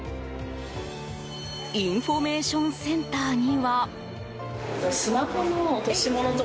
インフォメーションセンターには。